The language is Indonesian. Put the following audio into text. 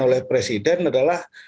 oleh presiden adalah